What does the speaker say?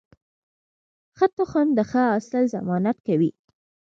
ښه تخم د ښه حاصل ضمانت کوي.